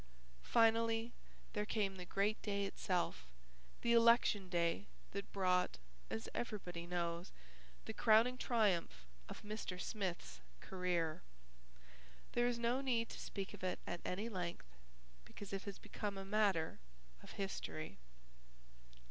Finally there came the great day itself, the Election Day that brought, as everybody knows, the crowning triumph of Mr. Smith's career. There is no need to speak of it at any length, because it has become a matter of history.